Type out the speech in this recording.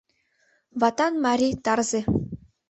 Ватан марий, тарзе